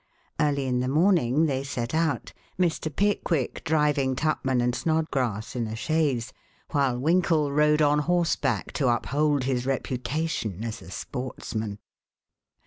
Early in the morning they set out, Mr. Pickwick driving Tupman and Snodgrass in a chaise, while Winkle rode on horseback to uphold his reputation as a sportsman.